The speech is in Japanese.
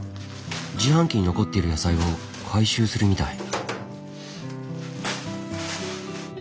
自販機に残っている野菜を回収するみたい。